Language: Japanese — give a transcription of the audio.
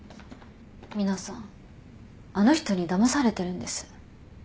皆さんあの人にだまされてるんです。